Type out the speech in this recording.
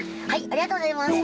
ありがとうございます。